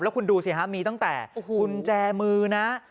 คุณดูสิฮะมีตั้งแต่กุญแจมือนะ